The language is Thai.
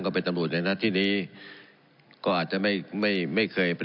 ก็เป็นตำรวจในหน้าที่นี้ก็อาจจะไม่ไม่ไม่เคยเป็น